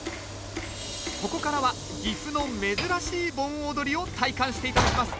ここからは岐阜の珍しい盆踊りを体感して頂きます。